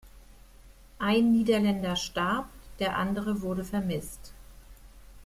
Ein Niederländer starb, der andere wurde vermisst.